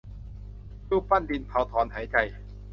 รูปปั้นดินเผาถอนหายใจ